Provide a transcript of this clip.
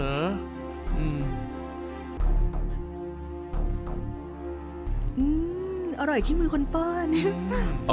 อืมอร่อยขี้มือคนปลอดฮะ